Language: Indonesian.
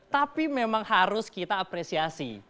tapi memang harus kita apresiasi